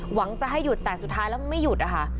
หวังจะให้หยุดแต่สุดท้ายแล้วไม่หยุดนะคะ